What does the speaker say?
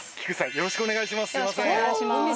よろしくお願いします。